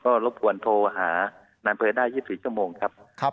ก็โดยรอบกวนโทรหานับเพศได้๒๔ชั่วโมงครับ